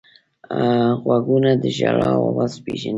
غوږونه د ژړا اواز پېژني